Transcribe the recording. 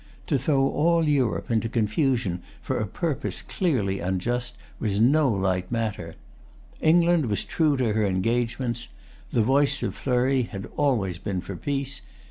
To throw all Europe into confusion for a purpose clearly unjust, was no light matter. England was true to her engagements. The voice of Fleury had always been for peace.